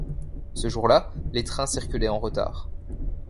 Ce jour-là, les trains circulaient en retard.